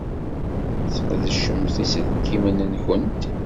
Sqedcemt iselkimen-nwent.